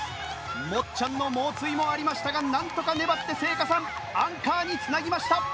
もっちゃんの猛追もありましたがなんとか粘って聖夏さんアンカーにつなぎました。